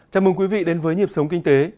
chào mừng quý vị đến với nhịp sống kinh tế